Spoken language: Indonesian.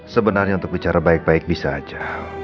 sebenarnya untuk bicara baik baik bisa aja